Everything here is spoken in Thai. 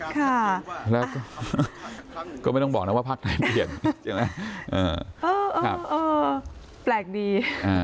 ค่ะก็ไม่ต้องบอกนะว่าภาคไทยเปลี่ยนเออเออเออเออแปลกดี